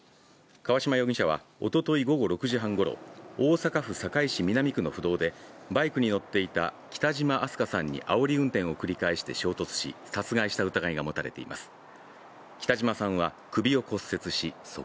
川島容疑者はおととい午後６時半ごろ、大阪府堺市南区の府道でバイクに乗っていた北島明日翔さんにあおり運転を繰り返して衝突し殺害した疑いが持たれています。